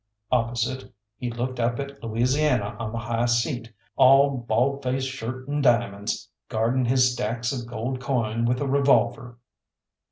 Opposite he looked up at Louisiana on the high seat, all bald faced shirt and diamonds, guarding his stacks of gold coin with a revolver.